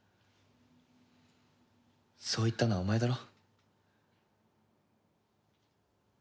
そう言ったのはお前だろ？